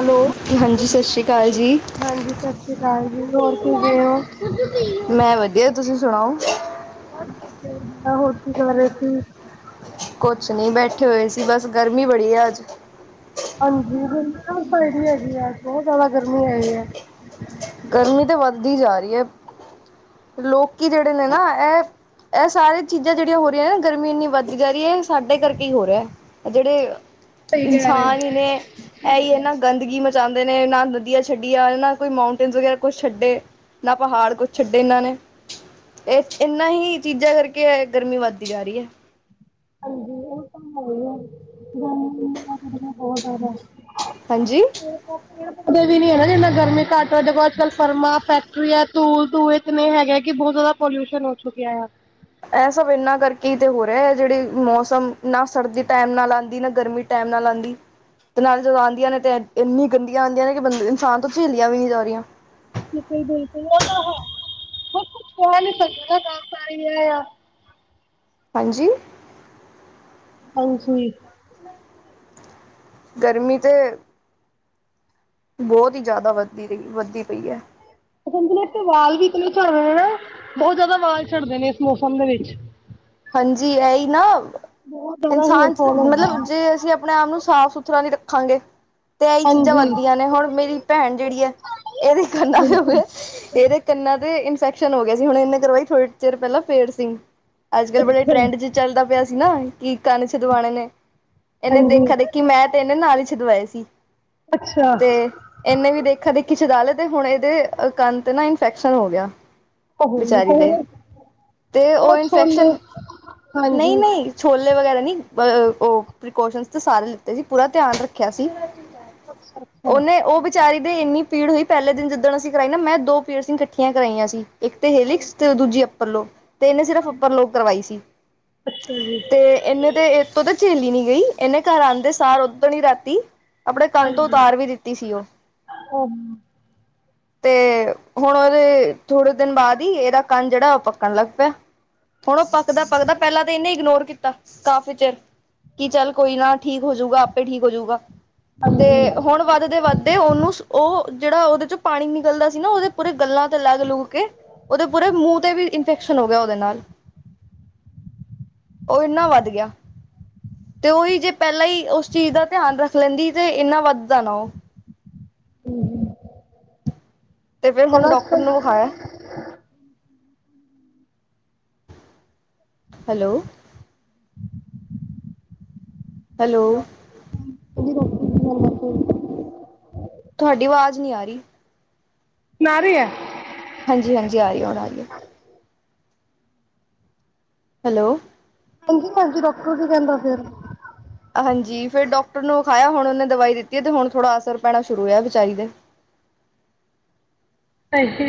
Hello. ਹਾਂਜੀ, ਸਤਿ ਸ਼੍ਰੀ ਅਕਾਲ ਜੀ। ਹਾਂਜੀ, ਸਤਿ ਸ੍ਰੀ ਅਕਾਲ ਜੀ। ਹੋਰ ਕਿਵੇਂ ਓ? ਮੈਂ ਵਧੀਆ। ਤੁਸੀਂ ਸੁਣਾਓ? [unintelligible] ਹੋਰ ਕਿ ਕਰ ਰੇ ਸੀ। ਕੁਛ ਨੀਂ ਬੈਠੇ ਹੋਏ ਸੀ। ਬਸ ਗਰਮੀ ਬੜੀ ਏ ਅੱਜ। ਹਾਂਜੀ, [unintelligible] ਹੈਗੀ ਐਂ, ਬਹੁਤ ਜ਼ਿਆਦਾ ਗਰਮੀ ਹੈਗੀ ਐ। ਗਰਮੀ ਤੇ ਵੱਧਦੀ ਜਾ ਰੀ ਏ। ਲੋਕੀ ਜੇੜੇ ਨੇਂ ਨਾਂ ਏ ਐ ਸਾਰੀਆਂ ਚੀਜ਼ਾਂ ਜੇੜੀਆਂ ਹੋ ਰੀਆਂ ਨੇ, ਗਰਮੀ ਏਨੀਂ ਵੱਧਦੀ ਜਾ ਰੀ ਐ, ਏ ਸਾਡੇ ਕਰਕੇ ਈ ਹੋ ਰਿਆ। ਅ, ਜੇੜੇ ਸਹੀ ਕਹਿ ਰਹੇ ਹੋ। ਇਨਸਾਨ ਈ ਨੇ ਏਈ ਇਨ੍ਹਾਂ ਗੰਦਗੀ ਮਚਾਉਂਦੇ ਨੇਂ, ਨਾਂ ਨਦੀਆਂ ਛੱਡੀਆ, ਨਾਂ ਕੋਈ ਮਾਉਂਟ ਪਿੰਜ ਵਗੈਰਾ ਕੁਛ ਛੱਡੇ, ਨਾਂ ਪਹਾੜ ਕੁੱਛ ਛੱਡੇ ਐਨਾਂ ਨੇ, ਏ ਏਨਾਂ ਹੀ ਚੀਜ਼ਾਂ ਕਰਕੇ। ਐ ਗਰਮੀ ਵੱਧਦੀ ਜਾ ਰਈ ਐ। ਹਾਂਜੀ, ਓ ਤਾਂ ਹੈ ਈ ਐ। [unintelligible] ਬੋਹਤ ਜਿਆਦਾ। ਹਾਂਜੀ [inaudible] ਕਦੇ ਵੀ ਨੀ ਹੈ ਜਿੰਨਾ ਗਰਮੀ ਘੱਟ ਹੋਏ ਜਦੋ ਦੇਖੋ, ਅੱਜ-ਕਲ ਫਰਮਾਂ, ਫੈਕਟਰੀ ਐ ਧੂਲ-ਧੂੰਏ ਇਤਨੇ ਹੈਗੇ ਕਿ ਬਹੁਤ ਜ਼ਿਆਦਾ ਪੋਲੂਊਸਨ ਹੋ ਚੁੱਕਿਆ ਆ। ਏਹ, ਸਭ ਇਨ੍ਹਾਂ ਕਰਕੇ ਤੇ ਹੋ ਰਿਆ, ਜੇੜੇ ਮੌਸਮ ਨਾਂ ਸਰਦੀ ਟੈਮ ਨਾਲ ਆਂਦੀ, ਨਾਂ ਗਰਮੀ। ਟਾਈਮ ਨਾਲ ਆਂਦੀ। ਤੇ ਨਾਲ ਜਦੋਂ ਆਂਦੀਆ ਨੇ ਤੇ, ਇੰਨੀ ਗੰਦੀਆਂ ਆਂਦੀਆਂ ਨੇ ਕਿ ਬੰ, ਇਨਸਾਨ ਤੋ ਝੇਲੀਆਂ ਵੀ ਨੀਂ ਜਾ ਰਈਆ। ਬਿਲਕੁੱਲ ਬਿਲਕੁੱਲ। ਓ ਤਾਂ ਹੈ, [unintelligible] ਹਾਂਜੀ? ਹਾਂਜੀ। ਗਰਮੀ ਤੇ ਬਹੁਤ ਹੀ ਜ਼ਿਆਦਾ ਵੱਧਦੀ ਪਈ, ਵੱਧਦੀ ਪਈ ਐ। [unintelligible] ਨੀਂ ਵਾਲ ਵੀ ਇਤਨੇ ਝੜ ਰੇ ਨਾਂ, ਬਹੁਤ ਜ਼ਿਆਦਾ ਵਾਲ ਝੜਦੇ ਨੇ ਇਸ ਮੌਸਮ ਦੇ ਵਿੱਚ। ਹਾਂਜੀ, ਐਹੀ ਨਾਂ, ਬਹੁਤ ਜ਼ਿਆਦਾ ਹੇਅਰ ਇਨਸਾਨ ਫੋਲ ਹੁੰਦਾ ਆ ਮਤਲਬ ਜੇ ਅਸੀ ਆਪਣੇ ਆਪ ਨੂੰ ਸਾਫ਼-ਸੁਥ ਥੁਰ੍ਹਾ ਨੀਂ ਰੱਖਾਂਗੇ। ਤੇ ਏਈ ਚੀਜ਼ਾ ਹਾਂਜੀ ਵੱਧਦੀਆਂ ਨੇ, ਹੁਣ ਮੇਰੀ ਭੈਣ ਜੇੜੀ ਏ, ਐਦੇ ਕੰਨਾਂ ਦੇ ਹੋਏ। ਤੇ ਏਦੇ ਕੰਨਾਂ ਤੇ ਇਨਫੈਕਸ਼ਨ ਹੋ ਗਿਆ ਸੀ, ਹੁਣ ਏਨੇਂ ਕਰਵਾਈ ਥੋੜੀ ਚਿਰ ਪੈਲਾਂ ਫੇਡਸਿੰ ਅੱਜ-ਕਲ ਬੜੇ ਅੱਛਾ ਟਰੈਂਡ ਚ ਚੱਲਦਾ ਪਿਆ ਸੀ ਨਾਂ, ਕਿ ਕੰਨ ਛਿੱਦਵਾਣੇ ਨੇ। ਏਨੇਂ ਹਾਂਜੀ ਦੇਖਾ-ਦੇਖੀ ਮੈਂ ਤੇ ਏਨੇ ਨਾਲ ਈ ਛਿੰਦਵਾਏ ਸੀ। ਅੱਛਾ। ਤੇ, ਏਂਨੇਂ ਵੀ ਦੇਖਾ-ਦੇਖੀ ਛਿਦਾਲੇ ਤੇ ਹੁਣ, ਏਦੇ ਕੰਨ ਤੇ ਨਾਂ ਇਨਫੈਕਸ਼ਨ ਹੋ ਗਿਆ। ਓ ਵਿਚਾਰੀ ਹੋ, ਦੇ ਓ ਛੋਲੇ, ਹਾਂਜੀ ਨਹੀ- ਨਹੀ। ਛੋਲੇ ਵਗੈਰਾ ਨੀ ਉਹ, ਪ੍ਰਕੋਸ਼ਨ ਤੇ ਸਾਰੇ ਲਿਤੇ ਸੀ ਪੂਰਾ ਧਿਆਨ ਰੱਖਿਆ ਸੀ। ਅੱਛਾ ਅੱਛਾ ਉਹਨੇ ਉਹ ਵੀ, ਵਿਚਾਰੀ ਦੇ ਇੰਨੀ ਪੀੜ ਹੋਈ ਪਹਿਲੇ ਦਿਨ ਜਿੱਦਣ ਅਸੀ ਕਰਾਈ ਨਾ, ਮੈਂ ਦੋ ਪੀਟਰਸਬਰਗ ਇਕੱਠੀਆਂ ਕਰਾਈਆ ਸੀ। ਇੱਕ ਤੇ ਹਿਲਿਕਸ ਹਾਂਜੀ ਤੇ ਦੂਜੀ ਅੱਪਰ ਲੋਬ, ਤੇ ਇਹਨੇ ਸਿਰਫ਼ ਅੱਪਰ ਲੋਬ ਕਰਵਾਈ ਸੀ। ਅੱਛਾ ਜੀ। ਤੇ, ਇਹਨੇ ਤੇ ਇਤੋਂ ਤਾਂ ਝੇਲੀ ਨੀ ਗਈ, ਇਹਨੇ ਘਰ ਆਂਦੇ ਸਾਰ ਉਧਨ ਹੀ ਰਾਤੀ ਆਪਣੇ ਕੰਨ ਤੋ ਹਾਂਜੀ ਉਤਾਰ ਵੀ ਦਿੱਤੀ ਸੀ। ਉਹ ਤੇ, ਹੁਣ ਉਹਦੇ ਥੋੜ੍ਹੇ ਦਿਨ ਬਾਅਦ ਹੀ, ਇਹਦਾ ਕੰਨ ਜਿਹੜਾ ਉਹ ਪੱਕਣ ਲੱਗ ਪਿਆ। ਹੁਣ ਉਹ ਪਕਦਾ -ਪਕਦਾ ਪਹਿਲਾਂ ਤਾਂ ਇਹ ਨੇ ਇਗਨੋਰ ਕੀਤਾ ਕਾਫ਼ੀ ਚਿਰ। ਕਿ ਚੱਲ ਕੋਈ ਨਾ ਠੀਕ ਹੋਜੂਗਾ, ਆਪੇ ਠੀਕ ਹੋਜੂਗਾ ਤੇ, ਹੁਣ ਵੱਧਦੇ -ਵੱਧਦੇ ਉਹਨੂੰ ਉਹ ਜਿਹੜਾ ਉਹਦੇ ਚੋਂ ਪਾਣੀ ਨਿਕਲਦਾ ਸੀ ਨਾ, ਉਹਦੇ ਪੂਰੇ ਗੱਲਾ ਲੱਗ -ਲੁਗ ਕੇ ਉਹਦੇ ਪੂਰੇ ਮੂੰਹ ਤੇ ਵੀ, ਇਨਫੈਕਸ਼ਨ ਹੋ ਗਿਆ ਉਹਦੇ ਨਾਲ। ਉਹ ਇੰਨਾ ਵੱਧ ਗਿਆ। ਤੇ ਉਹੀ ਜੇ ਪਹਿਲਾ ਹੀ, ਉਸ ਚੀਜ਼ ਦਾ ਧਿਆਨ ਰੱਖ ਲੈਦੀ ਤੇ ਇੰਨਾ ਵੱਧਦਾ ਨਾ ਉਹ। ਹਮ ਤੇ ਫੇਰ ਹੁਣ ਡਾਕਟਰ ਨੂੰ ਵਿਖਾਇਆ। ਹੈਲੋ। ਹੈਲੋ। [unintelligible] ਤੁਹਾਡੀ ਆਵਾਜ਼ ਨੀ ਆ ਰਹੀ। ਹੁਣ ਆ ਰਈ ਏ ਹਾਂਜੀ ਹਾਂਜੀ ਆ ਰਹੀ ਹੁਣ ਰਹੀਆਂ। ਹੈਲੋ। ਹਾਂਜੀ ਭੈਣ ਜੀ ਡਾਕਟਰ ਕਿ ਕਹਿੰਦਾ ਫਿਰ? ਹਾਂਜੀ ਫਿਰ ਡਾਕਟਰ ਨੂੰ ਵਿਖਾਇਆ ਹੁਣ ਉਹਨੇ ਦਵਾ ਦਿੱਤੀ ਹੈ ਤੇ ਹੁਣ ਥੋੜਾ ਅਸਰ ਪੈਣਾ ਸ਼ੁਰੂ ਹੋਇਆ ਵਿਚਾਰੀ ਦੇ। [unintelligible] ਇਹੋ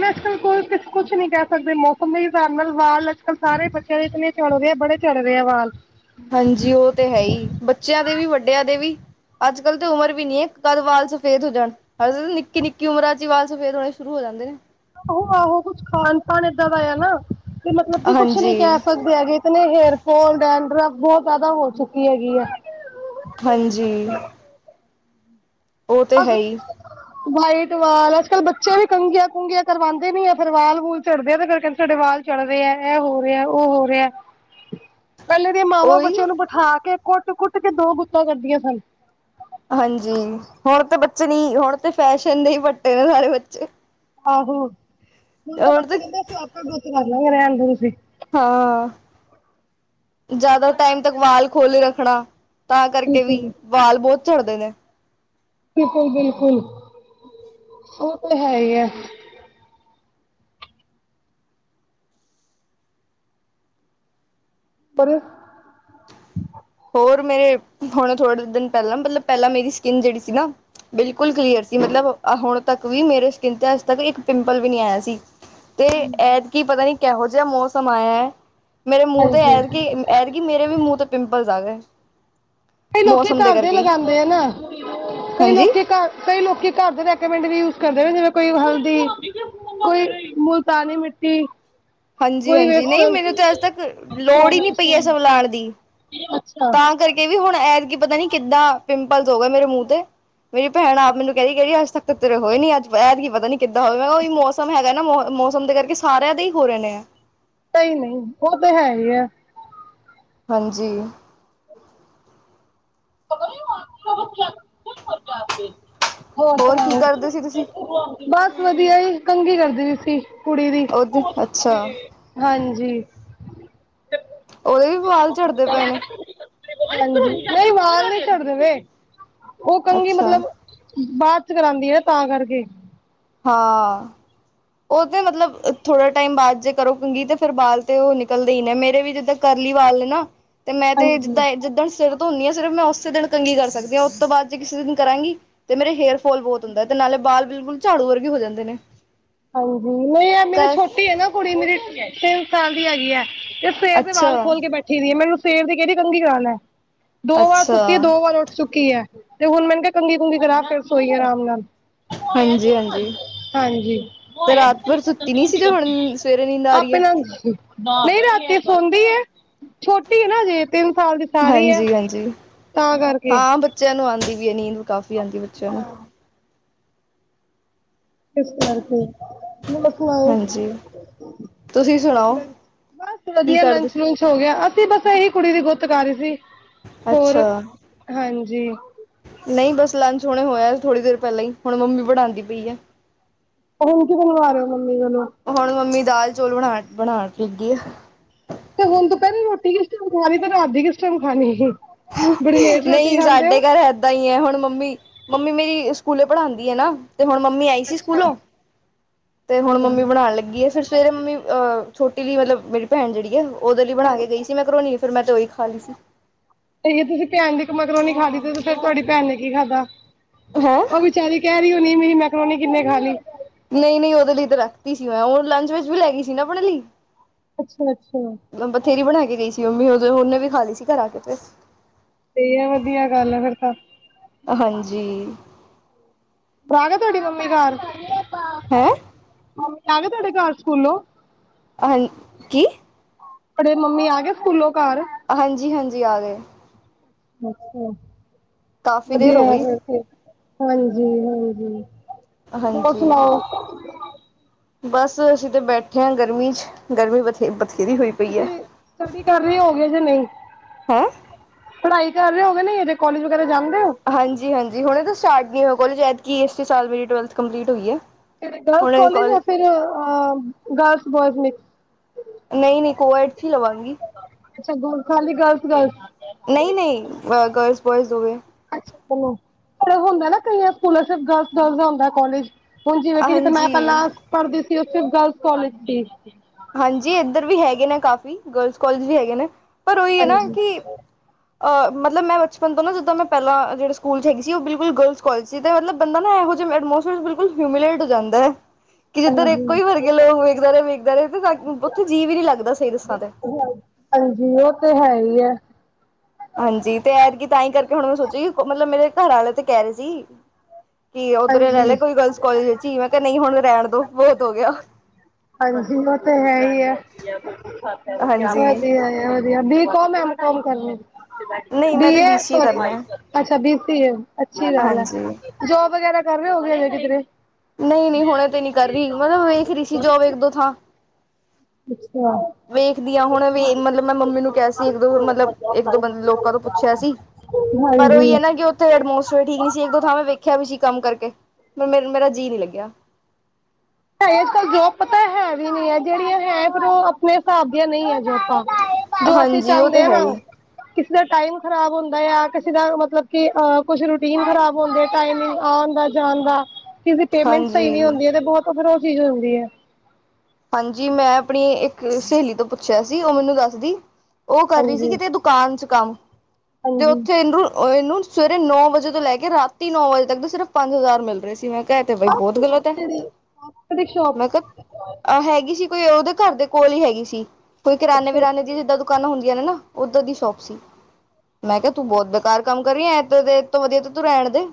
ਨਾ ਅੱਜਕੱਲ ਕੋਈ ਕੁਛ, ਕੁਛ ਨੀ ਕਹਿ ਸਕਦੇ ਦੇ ਮੌਸਮ ਦੇ ਹਿਸਾਬ ਨਾਲ ਵਾਲ ਅੱਜ ਕੱਲ੍ਹ ਸਾਰੇ ਬੱਚਿਆਂ ਦੇ ਨੇ ਝੜ ਰਏ ਬੜੇ ਝੜ ਰਏ ਆ ਵਾਲ। ਹਾਂਜੀ ਉਹ ਤੇ ਹੈ ਹੀ ਬੱਚਿਆਂ ਦੇ ਵੀ ਵੱਡਿਆਂ ਦੇ ਵੀ। ਅੱਜ ਕੱਲ੍ਹ ਤੇ ਉਮਰ ਵੀ ਨੀ ਏ ਕਦ ਵਾਲ ਸਫੇਦ ਹੋ ਜਾਣ। ਅੱਜ ਕ ਨਿੱਕੀ, ਨਿੱਕੀ ਉਮਰਾਂ ਚ ਵਾਲ ਸਫੇਦ ਹੋਣੇ ਸ਼ੁਰੂ ਹੋ ਜਾਂਦੇ ਆ। ਆਹੋ, ਆਹੋ ਕੁਛ ਖਾਣ ਪਾਨ ਐਦਾਂ ਦਾ ਆ ਨਾ ਤੇ ਮਤਲਬ ਕੀ ਕੁਛ ਨੀ ਕਹਿ ਸਕਦੇ। ਤੇ ਹੈਗਾ ਕੇ ਨਈ ਹੇਅਰਫੋਲ, ਡੈਂਡਰਫ ਬਹੁਤ ਜਿਆਦਾ ਹੋ ਚੁੱਕੀ ਹੈਗੀ ਆ। ਹਾਂਜੀ। ਬਸ ਹੈ ਹੀ [unintelligible] ਵਾਈਟ ਵਾਲ ਅੱਜ ਕੱਲ੍ਹ ਬੱਚੇ ਵੀ ਕੰਗੀਆਂ- ਕੁੰਗੀਆਂ ਕਰਵਾਉਂਦੇ ਨੀ ਆ ਫੇਰ ਵਾਲ ਵੂਲ ਚੜਦੇ ਆ ਤੇ ਫਿਰ ਕਹਿੰਦੇ ਸਾਡੇ ਵਾਲ ਚੜਦੇ ਆ ਐ ਹੋ ਰਿਹਾ ਉਹ ਹੋ ਰਿਹਾ। [unintelligible] ਪਹਿਲੇ ਦੀਆਂ ਮਾਵਾਂ ਉਹੀ ਬੱਚਿਆਂ ਨੂੰ ਬਿਠਾ ਕੇ ਕੁੱਟ -ਕੁੱਟ ਕੇ ਦੋ ਗੁੱਤਾਂ ਕਰਦੀਆਂ ਸਨ। ਹਾਂਜੀ ਹੁਣ ਤੇ ਬੱਚੇ ਨਈ ਹੁਣ ਤੇ ਫੈਸ਼ਨ ਦੇ ਹੀ ਪੱਟੇ ਨੇ ਸਾਰੇ ਬੱਚੇ। ਆਹੋ ਹੁਣ ਤਾਂ ਹੁਣ ਬੱਚਾ ਤੇ ਕਹਿੰਦੇ ਅਸੀਂ ਆਪਾਂ ਗੁੱਤ ਕਰਲਾਂਗੇ ਰਹਿਣ ਦੇ ਤੁਸੀਂ। ਹਾਂ ਜ਼ਿਆਦਾ ਟਾਈਮ ਤੱਕ ਵਾਲ ਖੋਲ੍ਹੀ ਰੱਖਣਾ। ਤਾਂ ਕਰਕੇ ਵੀ ਬਿਲਕੁਲ ਵਾਲ ਬਹੁਤ ਝੜਦੇ ਨੇ। ਬਿਲਕੁਲ-ਬਿਲਕੁਲ, ਓ ਤੇ ਹੈਹੀ ਐ। ਪਰ ਹੋਰ ਮੇਰੇ, ਹੁਣ ਥੋੜੇ ਦਿਨ ਪਹਿਲਾਂ, ਮਤਲਬ ਪਹਿਲਾਂ ਮੇਰੀ ਸਕਿੰਨ ਜਿਹੜੀ ਸੀ ਨਾ ਬਿਲਕੁਲ ਕਲੀਅਰ ਸੀ ਮਤਲਬ, ਆ ਹੁਣ ਤੱਕ ਵੀ ਮੇਰੇ ਸਕਿੰਨ ਤੇ ਅੱਜ ਤੱਕ ਇੱਕ ਪਿੰਪਲ ਵੀ ਨਹੀਂ ਆਇਆ ਸੀ। ਤੇ, ਐਤਕੀ ਪਤਾ ਨੀ ਕਿਹੋ ਜਿਹਾ ਮੌਸਮ ਆਇਆ ਏ, ਮੇਰੇ ਮੂੰਹ ਤੇ ਹਾਂਜੀ ਐਤਕੀ ਐਤਕੀ ਮੇਰੇ ਵੀ ਮੂੰਹ ਤੇ ਪਿੰਪਲਜ ਆ ਗਏ। ਕਈ ਲੋਕੀ ਮੌਸਮ ਘਰ ਦੇ ਕਰਕੇ ਹੀ ਲਗਾਂਦੇ ਆ ਨਾ, ਕਈ ਹਾਂਜੀ ਲੋਕੀ ਘਰ ਕਈ ਲੋਕੀ ਘਰ ਦੇ ਰੈਕਮੈਂਡ ਵੀ ਯੂਜ ਕਰਦੇ ਨੇ ਜਿਵੇਂ ਕੋਈ ਹਲਦੀ, ਕੋਈ ਮੁਲਤਾਨੀ ਮਿੱਟੀ। ਕੋਈ ਹਾਂਜੀ-ਹਾਂਜੀ, ਨਹੀਂ ਵੇਸਣ ਮੈਨੂੰ ਤੇ ਅੱਜ ਤੱਕ ਲੋੜ ਹੀ ਨੀ ਪਈ, ਏ ਸਭ ਲਾਣ ਦੀ। ਅੱਛਾ। ਤਾਂ ਕਰਕੇ ਵੀ ਹੁਣ, ਐਤਕੀ ਪਤਾ ਨੀ ਕਿੱਦਾਂ ਪਿੰਪਲਸ ਹੋ ਗਏ ਮੇਰੇ ਮੂੰਹ ਤੇ। ਮੇਰੀ ਭੈਣ ਆਪ ਮੈਨੂੰ ਕਹਿੰਦੀ, ਕਹਿੰਦੀ ਅੱਜ ਤੱਕ ਤਾਂ ਤੇਰੇ ਹੋਏ ਨੀ, ਅੱਜ ਐਤਕੀ ਕੀ ਪਤਾ ਨੀ ਕਿੰਦਾ ਹੋਗੇ ਓਈ ਮੌਸ ਸਮ ਹੈਗਾ ਨਾ, ਮੌਸਮ ਦੇ ਕਰਕੇ ਸਾਰਿਆਂ ਦੇ ਹੀ ਹੋ ਰਹੇ ਨੇ ਆ। ਨਹੀਂ-ਨਹੀਂ, ਉਹ ਤੇ ਹੈਹੀ ਆ। ਹਾਂਜੀ। [unintelligible] ਹੋਰ ਕੀ ਸੁਣਾਓ? ਕਰਦੇ ਸੀ ਤੁਸੀਂ? [unintelligible] ਬਸ ਵਧੀਆ ਜੀ, ਕੰਘੀ ਕਰਦੀ ਪਈ ਸੀ, ਕੁੜੀ ਦੀ। ਉਹਦੇ ਅੱਛਾ [unintelligible] ਹਾਂਜੀ ਉਹਦੇ ਵੀ ਵਾਲ ਝੜਦੇ ਪਏ ਨੇ? [unintelligible] ਨਹੀਂ ਵਾਲ ਨ੍ਹੀਂ ਝੜਦੇ ਪਏ, ਉਹ ਕੰਘੀ ਅੱਛਾ ਮਤਲਬ ਬਾਅਦ'ਚ ਕਰਾਂਦੀ ਏ ਨਾ, ਤਾਂ ਕਰਕੇ। ਹਾ। ਉਹ ਤੇ ਮਤਲਬ ਥੋੜਾ ਟਾਈਮ ਬਾਅਦ ਜੇ ਕਰੋ ਕੰਘੀ, ਤੇ ਫਿਰ ਵਾਲ ਤੇ ਉਹ ਨਿਕਲਦੇ ਈ ਨੇ ਮੇਰੇ ਵੀ ਜਿੱਦਾਂ ਕਰਲੀ ਵਾਲ ਨੇ ਨਾ, ਤੇ ਮੈਂ ਤੇ ਜਿੱਦਾਂ, ਹਾਂਜੀ ਜਿੱਦਣ ਸਿਰ ਧੋਂਨੀ ਆ ਸਿਰਫ ਮੈਂ ਉਸੇ ਦਿਨ ਕੰਘੀ ਕਰ ਸਕਦੀ ਆਂ, ਉਸ ਤੋਂ ਬਾਅਦ ਜੇ ਕਿਸੇ ਦਿਨ ਕਰਾਂਗੀ ਤੇ ਮੇਰੇ ਹੇਅਰ ਫੋਲ ਬਹੁਤ ਹੁੰਦਾ, ਤੇ ਨਾਲੇ ਬਾਲ ਬਿਲਕੁਲ ਝਾੜੂ ਵਰਗੇ ਹੋ ਜਾਂਦੇ ਨੇ। ਹਾਂਜੀ, ਨਹੀਂ ਐ ਮੇਰੀ ਕਰ ਛੋਟੀ ਐ ਨਾ ਕੁੜੀ ਮੇਰੀ, ਤਿੰਨ ਸਾਲ ਦੀ ਹੈਗੀ ਐ। ਤੇ ਸਵੇਰ ਦੇ ਅੱਛਾ ਵਾਲ ਖੋਲਕੇ ਬੈਠੀ ਵੀ ਏ, ਮੈਨੂੰ ਸਵੇਰ ਦੀ ਕਹਿੰਦੀ ਕੰਘੀ ਕਰਾਲੈ। ਦੋ ਵਾਰ ਅੱਛਾ ਸੁੱਤੀ ਐ, ਦੋ ਵਾਰ ਉੱਠ ਚੁੱਕੀ ਐ, ਤੇ ਹੁਣ ਮੈਂਨੁ ਕਿਹਾ ਕੰਘੀ-ਕੁੰਗੀ ਕਰਾ ਫਿਰ ਸੋਈਏ ਆਰਾਮ ਨਾਲ। ਹਾਂਜੀ ਹਾਂਜੀ [unintelligible] ਹਾਂਜੀ। ਤੇ ਰਾਤ ਭਰ ਸੁੱਤੀ ਨੀ ਸੀ ਜੋ ਹੁਣ ਸਵੇਰੇ ਨੀਂਦ [unintelligible] ਆ ਰਹੀ ਆਪਣੇ ਹੈ ਨਾਲ [unintelligible] ਨਹੀਂ ਰਾਤੀ ਸੌਂਦੀ ਏ, ਛੋਟੀ ਏ ਨਾ ਅਜੇ ਤਿੰਨ ਸਾਲ ਦੀ ਸਾਰੀ ਹੈ ਹਾਂਜੀ-ਹਾਂਜੀ, ਤਾਂ ਕਰਕੇ ਹਾਂ ਬੱਚਿਆਂ ਨੂੰ ਆਂਦੀ ਵੀ ਏ ਨੀਂਦ, ਕਾਫ਼ੀ ਆਂਦੀ ਏ ਬੱਚਿਆਂ ਨੂੰ। ਇਸੇ ਕਰਕੇ, ਬਸ ਬਸ। ਹਾਂਜੀ ਤੁਸੀਂ ਸੁਣਾਓ ਬਸ, ਕੀ ਵਧੀਆ ਕਰਦੇ ਲੰਚ-ਲੁੰਚ ਹੋਗਿਆ, ਅਸੀਂ ਬਸ ਇਹੀ ਕੁੜੀ ਦੀ ਗੁੱਤ ਕਰ ਰਹੀ ਸੀ। ਅੱਛਾ। ਹੋਰ ਹਾਂਜੀ ਨਹੀਂ ਬਸ ਲੰਚ ਹੁਣੇ ਹੋਇਆ ਸੀ ਥੋੜੀ ਦੇਰ ਪਹਿਲਾਂ ਈ, ਹੁਣ ਮੰਮੀ ਬਣਾਂਦੀ ਪਈ ਐ। ਹੁਣ ਕੀ ਬਣਵਾ ਰਹੇ ਓ, ਮੰਮੀ ਕੋਲੋ? ਹੁਣ ਮੰਮੀ ਦਾਲ-ਚੌਲ ਬਣਾ, ਬਣਾਣ ਲਗੀ ਆ। ਤੇ ਹੁਣ ਦੁਪਹਿਰੀ ਰੋਟੀ ਕਿਸ ਟਾਈਮ ਖਾ ਰਹੀ, ਤੇ ਰ੍ਹਾਤ ਦੀ ਕਿਸ ਟਾਈਮ ਖਾਂਨੀ? ਨਹੀਂ ਸਾਡੇ ਘਰ ਐ ਐਦਾਂ ਹੀ ਏ, ਹੁਣ ਮੰਮੀ, ਮੰਮੀ ਮੇਰੀ ਸਕੂਲੇ ਪੜ੍ਹਾਂਦੀ ਏ ਨਾ। ਤੇ ਹੁਣ ਮੰਮੀ ਆਈ ਸੀ ਸਕੂਲੋ, ਤੇ ਹੁਣ ਮੰਮੀ ਬਣਾਣ ਲੱਗੀ ਏ, ਫਿਰ ਸਵੇਰੇ ਮੰਮੀ ਅ ਛੋਟੀ ਲਈ ਮਤਲਬ, ਮੇਰੀ ਭੈਣ ਜਿਹੜੀ ਏ, ਉਹਦੇ ਲਈ ਬਣਾਕੇ ਗਈ ਸੀ ਮੈਂ ਮੈਕਰੋਨੀ। ਫੇਰ ਮੈਂ ਤਾਂ ਓਈ ਖਾਲੀ ਸੀ। ਜੇ ਤੁਸੀਂ ਭੈਣ ਦੀ ਮਕਰੋਨੀ ਖਾਲੀ ਸੀ ਫਿਰ ਤੁਹਾਡੀ ਭੈਣ ਨੇ ਕੀ ਖਾਧਾ ਹੈਂ [inaudible] ਓ ਵਿਚਾਰੀ ਕੈਰੀ ਹੋਣੀ ਮੇਰੀ ਮੈਕਰੋਨੀ ਕੀਨੇ ਖਾਲੀ। ਨਈ ਨਈ ਓਦੇ ਲਈ ਤਾਂ ਰੱਖਤੀ ਸੀ ਮੈਂ ਓ ਲੰਚ ਵਿੱਚ ਵੀ ਲੈਗੀ ਸੀ ਨਾ ਆਪਣੇ ਲਈ। ਅੱਛਾ-ਅੱਛਾ ਬਥੇਰੀ ਬਣਾ ਕੇ ਗਈ ਸੀ ਮੰਮੀ ਓਦੋਂ ਓਨੇ ਵੀ ਖਾ ਲਈ ਸੀ ਘਰ ਆ ਕੇ ਫਿਰ। [unintelligible] ਵਧੀਆ ਗੱਲ ਆ ਫਿਰ ਤਾਂ ਹਾਂਜੀ [inaudible] ਫਿਰ ਆਗੇ ਤੁਹਾਡੀ ਮੰਮੀ ਕਾਰ ਹੈਂ? ਮੰਮੀ ਆਗੇ ਤੁਹਾਡੇ ਘਰ ਸਕੂਲੋਂ? ਹਾਂ ਕੀ? ਬੜੇ ਮੰਮੀ ਆ ਗਏ ਸਕੂਲੋਂ ਘਰ? ਹਾਂਜੀ-ਹਾਂਜੀ ਆ ਗਏ। ਅੱਛਾ ਕਾਫ਼ੀ ਦੇਰ ਹੋ ਵਧੀਆ ਗਈ ਫੇਰ ਤੇ। ਹਾਂਜੀ-ਹਾਂਜੀ ਹੋਰ ਹਾਂਜੀ ਸੁਣਾਓ? ਬਸ ਅਸੀਂ ਤੇ ਬੈਠੇ ਆ ਗਰਮੀ ਚ ਗਰਮੀ ਬਥੇ ਬਥੇਰੀ ਹੋਈ ਪਈ ਐ। ਉਪਰ ਕੀ ਕਰ ਰੇ ਹੋ ਗੇ ਜੇ ਨਈ? ਹੈਂ? ਪੜ੍ਹਾਈ ਕਰ ਰੇ ਹੋਗੇ ਨੀ ਜੇ ਕੋਲੇਜ ਵਗੈਰਾ ਜਾਂਦੇ ਓ? ਹਾਂਜੀ-ਹਾਂਜੀ ਹੁਨੇ ਤੋਂ ਸਟਾਰਟ ਨੀ ਹੋਇਆ ਕੋਲੇਜ ਐਤਕੀਂ ਇਸੇ ਸਾਲ ਮੇਰੀ ਟਵੈਲਥ ਕੰਪਲੀਟ ਹੋਈ ਆ। ਕੇੜੇ ਗਰਲਸ ਕੋਲਜ ਯਾ ਫਿਰ ਆ ਗਰਲ ਬੋਇ [inaudible] ਨਈ-ਨਈ ਕੋ ਐਡ ਚ ਈ ਲਵਾਂਗੀ। [unintelligible] ਨਈ-ਨਈ ਗ ਗਰਲਸ ਬੋਆਇਜ਼ ਦੋਵੇਂ। ਅੱਛਾ ਚਲੋ ਐਵੇ ਹੁੰਦਾ ਨਾ ਕਈਆਂ ਸਕੂਲਾਂ ਚ ਗਰਲਜ਼-ਗਰਲਜ਼ ਦਾ ਹੁੰਦਾ ਕੋਲਜ। ਹੁਣ ਜਿਵੇਂ ਕੀ ਜਿੱਥੇ ਮੈਂ ਹਾਂਜੀ ਪੈਲਾਂ ਪੜ੍ਹਦੀ ਸੀ ਉਥੇ ਗਰਲਸ ਕੋਲਜ ਸੀ। ਹਾਂਜੀ, ਏਧਰ ਵੀ ਹੈਗੇ ਨੇ ਕਾਫ਼ੀ ਗਰਲਸ ਕੋਲਜ ਵੀ ਹੈਗੇ ਨੇ, ਪਰ ਓਹੀ ਐ ਨਾ ਹਾਂਜੀ, ਕੀ ਅ ਮਤਲਬ ਮੈਂ ਬਚਪਨ ਤੋਂ ਨਾ ਜਿੱਦਾਂ ਮੈਂ ਪੈਲਾਂ ਜੇੜੇ ਸਕੂਲ ਚ ਹੈਗੀ ਸੀ ਓ ਬਿਲਕੁਲ ਗਰਲਜ ਕੋਲਜ ਸੀ ਤੇ ਮਤਲਬ ਬੰਦਾ ਨਾ ਐਹੋ ਜੇ ਐਡ ਐਟਮੋਸ ਬਿਲਕੁਲ ਹਿਊਮੀਲੇਟ ਹੋ ਜਾਂਦੈ। ਕੀ ਜਿੱਧਰ ਇੱਕੋ ਹਾਂਜੀ, ਈ ਵਰਗੇ ਲੋਕ ਵੇਖਦਾ ਰੈ ਵੇਖਦੇ ਰੈ ਤਾਂ ਉੱਥੇ ਜੀਅ ਵੀ ਨੀ ਲੱਗਦਾ ਸਈ ਦੱਸਾਂ ਤੇ। ਹਾਂਜੀ, ਓ ਤੇ ਹੈ ਈ ਐ। ਹਾਂਜੀ ਤੇ ਐਤਕੀ ਤਾਂ ਈ ਕਰਕੇ ਹੁਣ ਮੈਂ ਸੋਚਿਆ ਈ ਮਤਲਬ ਮੇਰੇ ਘਰ ਆਲੇ ਤੇ ਕੈ ਰੇ ਸੀ ਕੀ ਉੱਧਰੇ ਲੈ ਹਾਂਜੀ। ਲਬਕੋਈ ਗਰਲਸ ਕੋਲਜ ਵਿੱਚ ਈ ਮੈਂ ਕਿਆ ਨਈ ਹੁਣ ਰੈਣ ਤੋਂ ਬੋਹਤ ਹੋ ਗਿਆ। ਹਾਂਜੀ, ਓ ਤੇ ਹੈ ਈ ਐ [unintelligible] ਹਾਂਜੀ ਵਧੀਆ ਬੀ ਕੋਮ, ਐਮ ਕੋਮ ਕਰਨੀ ਨਹੀਂ ਬੀ ਮੈਂ ਤੇ ਏ ਸੀ ਕਰਨਾ ਸੋਰੀ ਹੈ ਅੱਛਾ ਬੀ ਸੀ ਏ ਅੱਛੀ ਗੱਲ ਐ ਹਾਂਜੀ। ਜੋਬ ਵਗੈਰਾ ਕਰ ਰੇ ਹੋਏਗੇ ਕਿਧਰੇ? ਨਈ-ਨਈ ਹੁਣੇ ਤੇ ਨੀ ਕਰ ਰੀ ਮਤਲਬ ਵੇਖਰੀ ਸੀ ਜੋਬ ਇੱਕ-ਦੋ ਥਾਂ। ਅੱਛੇਆ। ਵੇਖਦੀ ਆ ਹੁਣੇ ਵੀ ਮਤਲਬ ਮੈਂ ਮੰਮੀ ਨੂੰ ਕਿਆ ਸੀ ਇੱਕ ਦੋ ਮਤਲਬ ਇੱਕ ਦੋ ਬੰ ਲੋਕਾਂ ਤੋਂ ਪੁੱਛਿਆ ਸੀ ਪਰ ਹਾਂਜੀ। ਓਈ ਐ ਨਾ ਕੀ ਓ ਥੇ ਅਟਮੋਸਫੀਅਰ ਠੀਕ ਨੀ ਸੀ ਇੱਕ ਦੋ ਥਾਂ ਮੈਂ ਵੇਖਿਆ ਵੀ ਸੀ ਕੰਮ ਕਰਕੇ ਮ ਮੇਰਾ ਜੀਅ ਨੀ ਲੱਗਿਆ। ਅੱਜ-ਕੱਲ ਜੋਬ ਪਤਾ ਹੈ ਵੀ ਨੀ ਐ ਜੇੜੀਆਂ ਹੈ ਫਿਰ ਓ ਆਪਣੇ ਹਿਸਾਬ ਦੀਆਂ ਨਈ ਹੈ ਜੋਬਾਂ। ਜੋ ਅਸੀਂ ਹਾਂਜੀ ਉਹ ਤੇ ਚਾਂਦੇ ਆ ਹੈ ਨਾ ਹੀ ਕਿਸੇ ਦਾ ਟਾਈਮ ਖ਼ਰਾਬ ਹੁੰਦਾ ਆ ਕਿਸੇ ਦਾ ਮਤਲਬ ਕੀ ਅ ਕੁਛ ਰੂਟੀਨ ਖ਼ਰਾਬ ਹੁੰਦੇ ਟਾਈਮ [unintelligible] ਜਾਣ ਦਾ, ਕਿਸੇ ਦੀ ਪੇਮੈਂਟ ਸਈ ਨੀ ਹਾਂਜੀ। ਹੁੰਦੀ ਹੈ ਤੇ ਬੋਤ [unintelligible] ਓ ਚੀਜ਼ ਹੁੰਦੀ ਹੈ। ਹਾਂਜੀ, ਮੈਂ ਆਪਣੀ ਇੱਕ ਸਹੇਲੀ ਤੋਂ ਪੁੱਛਿਆ ਸੀ ਉਹ ਮੈਨੂੰ ਦੱਸਦੀ ਉਹ ਕਰ ਰਹੀ ਸੀ ਹਾਂਜੀ, ਕਿਤੇ ਦੁ ਦੁਕਾਨ 'ਚ ਕੰਮ ਤੇ ਹਾਂਜੀ ਉੱਥੇ ਇਹਨੂੰ ਇਹਨੂੰ ਸਵੇਰੇ ਨੌ ਵਜੇ ਤੋਂ ਲੈ ਕੇ ਰਾਤੀ ਨੌ ਵਜੇ ਤੱਕ ਦੇ ਸਿਰਫ ਪੰਜ ਹਜ਼ਾਰ ਮਿਲ ਰਹੇ ਸੀ। ਮੈਂ ਕਿਹਾ ਇਹ ਤੇ ਬਈ ਬਸ ਬਹੁਤ ਗਲਤ ਹੈ। ਤੇਰੀ ਆਪਣੀ ਸ਼ੋਪ ਮੈਂ ਕਿਹਾ ਅ ਹੈਗੀ ਸੀ ਕੋਈ ਉਹਦੇ ਘਰ ਦੇ ਕੋਲ ਹੀ ਹੈਗੀ ਸੀ ਕੋਈ ਕਰਿਆਨੇ ਅੱਛਾ, ਵਿਰ‌ਆਨੇ ਦੀ ਅੱਛਾ ਜਿੱਦਾਂ ਦੁਕਾ ਦੁਕਾਨਾਂ ਹੁੰਦੀਆਂ ਨੇ ਨਾ ਉਦਾਂ ਦੀ ਸ਼ੋਪ ਸੀ। ਮੈਂ ਕਿਹਾ ਤੂੰ ਬਹੁਤ ਬੇਕਾਰ ਕੰਮ ਕਰੀ ਆ ਇਹਤੇ ਇਹ ਤੋਂ ਵਧੀਆ ਤੇ ਤੂੰ ਰਹਿਣ ਦੇ।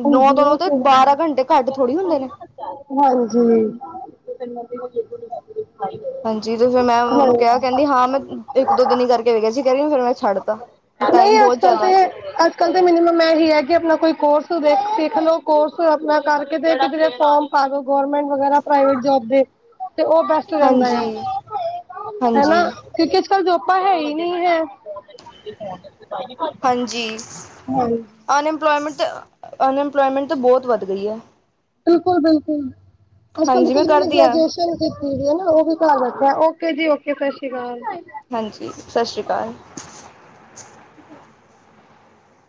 ਨੌ ਤੋਂ ਹਾਂਜੀ ਨੌ ਉਹ ਤੇ ਹੈ। ਬਾਰਾਂ ਘੰਟੇ ਘੱਟ ਥੋੜ੍ਹੀ ਹੁੰਦੇ ਨੇ। ਹਾਂਜੀ [inaudible] ਹਾਂਜੀ ਤੇ ਫਿਰ ਮੈਂ ਹਾਂ ਉਹਨੂੰ ਕਿਹਾ ਕਹਿੰਦੀ ਹਾਂ ਮੈਂ ਇੱਕ ਦੋ ਦਿਨ ਕਰਕੇ ਵੇਖਿਆ ਸੀ ਕਹਿਦੀ ਫਿਰ ਮੈਂ ਛੱਡਤਾ। ਟਾਈਮ ਬਹੁਤ ਜ਼ਿਆਦਾ। ਅੱਜ ਕੱਲ ਤਾਂ ਮੈਨੂੰ ਮੈਂ ਇਹੀ ਹੈ ਕਿ ਆਪਣਾ ਕੋਈ ਕੋਰਸ ਭਵਿੱਖ ਵੇਖ ਲਉ ਕੋਰਸ ਆਪਣਾ ਕਰਕੇ ਕਿ ਫੋਮ ਪਾ ਦੋ ਗਵਰਮੈਂਟ ਵਗੈਰਾ ਪ੍ਰਾਈਵੇਟ ਜੋਬ ਦੇ। ਤੇ ਉਹ ਬੈਸਟ ਰਹਿੰਦਾ ਆ, ਹਾਂਜੀ, ਹਨਾ। ਹਾਂਜੀ, ਕਿਉਂਕਿ ਅੱਜ ਕਲ ਜੋਬਾਂ ਹੈ ਹੀ ਨਹੀਂ ਐ। ਹਾਂਜੀ ਅਨਇਮਪਲੋਇਮੈਂਟ ਤਾਂ ਅਨਇਮਪਲੋਇਮੈਂਟ ਤਾਂ ਬਹੁਤ ਵੱਧ ਗਈ ਹੈ। ਬਿਲਕੁਲ-ਬਿਲਕੁਲ, ਅੱਜ ਕੱਲ ਤਾਂ ਹਾਂਜੀ ਕੁੱਝ ਮੈਂ ਵੀ ਨੀ ਕਰਦੀ ਹਾਂ ਗ੍ਰਜੂਏਸ਼ਨ। ਕੀਤੀ ਵੀ ਆ, ਉਹ ਵੀ ਘਰ ਬੈਠੇ ਆ। ਓਕੇ ਜੀ ਓਕੇ, ਸਤਿ ਸ਼੍ਰੀ ਅਕਾਲ। ਹਾਂਜੀ, ਸਤਿ ਸ਼੍ਰੀ ਅਕਾਲ।